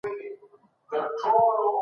پخواني حاکمان د علماوو په ارزښت نه پوهېدل.